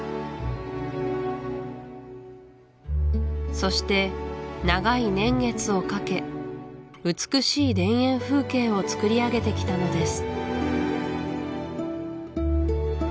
そして長い年月をかけ美しい田園風景をつくり上げてきたのです